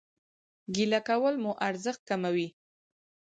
ګيله کول مو ارزښت کموي